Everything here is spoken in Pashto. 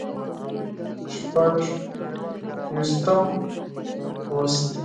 شپږ ویشتم لوست